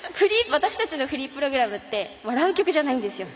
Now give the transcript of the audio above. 私たちのフリープログラムって笑う曲じゃないんですよ。